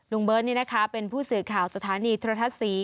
เบิร์ตนี่นะคะเป็นผู้สื่อข่าวสถานีโทรทัศน์ศรี